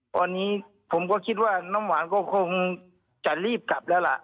ตอนนี้ผมก็คิดว่าน้ำหวานก็คงจะรีบกลับแล้วล่ะ